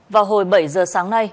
vào hồi bảy giờ sáng nay